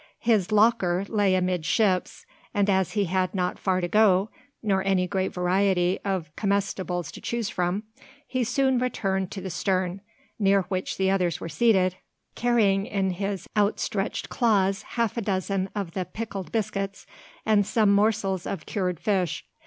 His "locker" lay amidships; and as he had not far to go, nor any great variety of comestibles to choose from, he soon returned to the stern, near which the others were seated, carrying in his outstretched claws half a dozen of the "pickled" biscuits, and some morsels of cured fish.